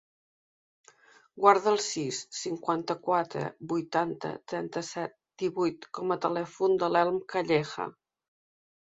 Guarda el sis, cinquanta-quatre, vuitanta, trenta-set, divuit com a telèfon de l'Elm Calleja.